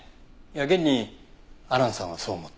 現にアランさんはそう思った。